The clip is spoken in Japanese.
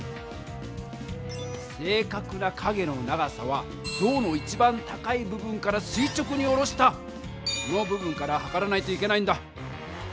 正かくな影の長さはぞうの一番高い部分からすい直に下ろしたこの部分からはからないといけないんだ。